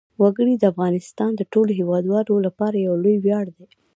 وګړي د افغانستان د ټولو هیوادوالو لپاره یو لوی ویاړ دی.